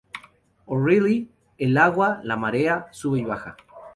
O'Reilly: El agua... la marea... sube y baja.